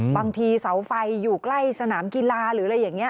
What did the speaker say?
บางทีเสาไฟอยู่ใกล้สนามกีฬาหรืออะไรอย่างนี้